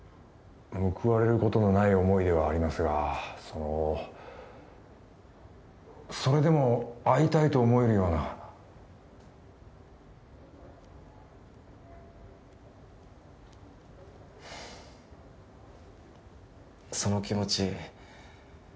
報われることのない思いではありますがそのそれでも会いたいと思えるようなその気持ち